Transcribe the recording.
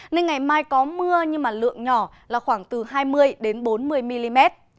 nên ngày mai có mưa nhưng lượng nhỏ là khoảng từ hai mươi bốn mươi mm